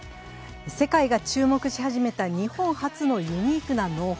世界が注目し始めた日本初のユニークな農法。